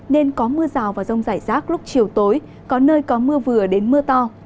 nên có mưa rào và rông rải rác lúc chiều tối có nơi có mưa vừa đến mưa to